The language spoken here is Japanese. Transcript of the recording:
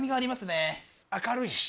明るいし。